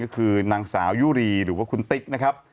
ก็คือนางสาวยุรีหรือว่าคุณติ๊กนะครับ